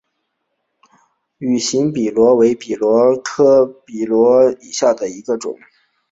芋形笔螺为笔螺科芋笔螺属下的一个种。